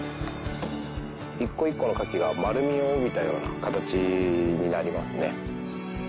一個一個のカキが丸みを帯びたような形になりますね。